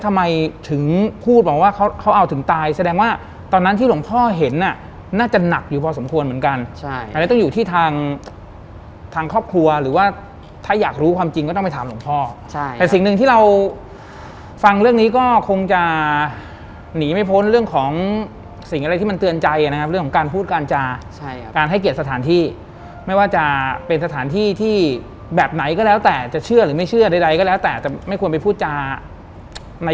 ทำไมถึงพูดบอกว่าเขาเอาถึงตายแสดงว่าตอนนั้นที่หลวงพ่อเห็นน่าจะหนักอยู่พอสมควรเหมือนกันใช่อันนี้ต้องอยู่ที่ทางทางครอบครัวหรือว่าถ้าอยากรู้ความจริงก็ต้องไปถามหลวงพ่อใช่แต่สิ่งหนึ่งที่เราฟังเรื่องนี้ก็คงจะหนีไม่พ้นเรื่องของสิ่งอะไรที่มันเตือนใจนะครับเรื่องของการพูดการจาใช่ครับการให้เกียรติสถาน